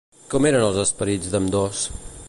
Com eren els esperits d'ambdós?